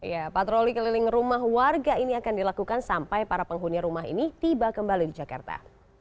ya patroli keliling rumah warga ini akan dilakukan sampai para penghuni rumah ini tiba kembali di jakarta